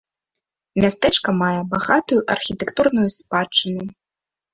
Мястэчка мае багатую архітэктурную спадчыну.